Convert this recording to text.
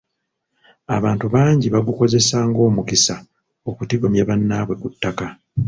Abantu bangi baagukozesa ng'omukisa okutigomya bannaabwe ku ttaka.